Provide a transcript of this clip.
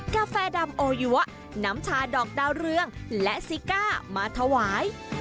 กาแฟดำโอยัวน้ำชาดอกดาวเรืองและซิก้ามาถวาย